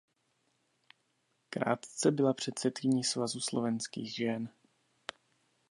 Krátce byla předsedkyní Svazu slovenských žen.